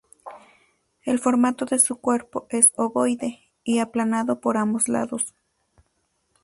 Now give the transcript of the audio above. El formato de su cuerpo es ovoide y aplanado por ambos lados.